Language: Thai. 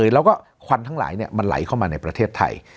แล้วก็ควันทั้งหลายมันไหลเข้ามาในประเทศไทย